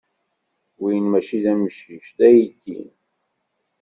Win maci d amcic. D aydi.